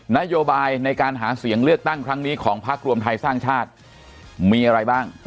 นโยบายในการหาเสียงเลือกตั้งครั้งนี้ของพักรวมไทยสร้างชาติมีอะไรบ้าง